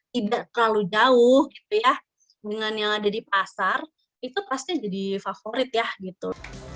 tidak terlalu jauh gitu ya dengan yang ada di pasar itu pasti jadi favorit ya gitu